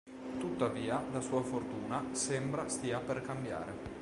Tuttavia la sua fortuna sembra stia per cambiare.